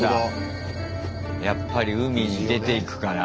やっぱり海に出ていくから。